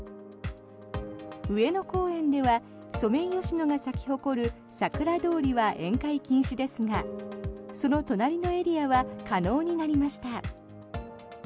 上野公園ではソメイヨシノが咲き誇るさくら通りは宴会禁止ですがその隣のエリアは可能になりました。